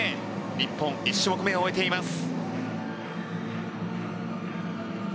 日本、１種目めを終えています。